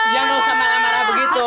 ya gak usah marah marah begitu